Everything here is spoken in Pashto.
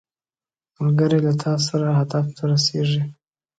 ملګری له تا سره هدف ته رسیږي